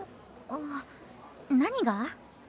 あ何が？